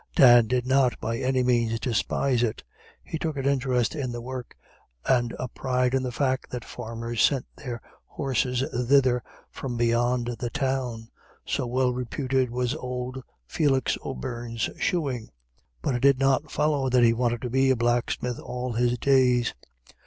Dan did not by any means despise it: he took an interest in the work, and a pride in the fact that farmers sent their horses thither from beyond the Town, so well reputed was old Felix O'Beirne's shoeing. But it did not follow that he wanted to be a blacksmith all his days.